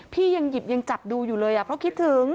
พี่ยังหยิบยังจับดูอยู่เลยเพราะคิดถึง